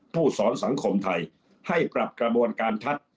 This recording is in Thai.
ผู้สอนสังคมไทยให้ปรับกระบวนการทัศน์